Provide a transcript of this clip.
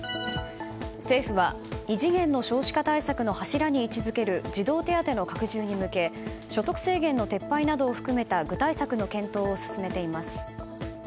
政府は異次元の少子化対策の柱に位置付ける児童手当の拡充に向け所得制限の撤廃などを含めた具体策の検討を進めています。